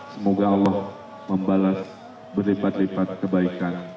semoga allah membalas berlipat lipat kebaikan